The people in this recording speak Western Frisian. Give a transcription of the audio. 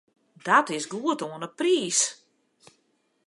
Dat is goed oan 'e priis.